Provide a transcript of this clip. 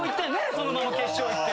そのまま決勝行って。